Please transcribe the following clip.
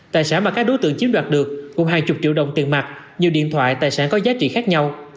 tài sản mà các đối tượng chiếm đoạt được cũng hai mươi triệu đồng tiền mặt nhiều điện thoại tài sản có giá trị khác nhau